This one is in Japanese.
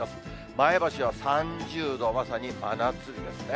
前橋は３０度、まさに真夏日ですね。